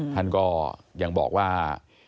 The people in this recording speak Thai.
ท่านก็ยังบอกว่า